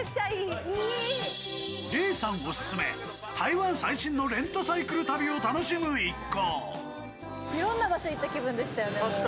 リーさんオススメ、台湾最新のレンタサイクル旅を楽しむ一行。